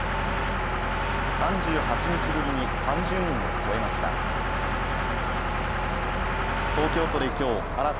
３８日ぶりに３０人を超えました。